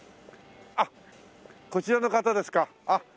あっこちらの方ですか？